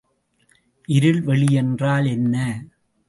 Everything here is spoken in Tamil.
இருள் வெளி என்றால் என்ன?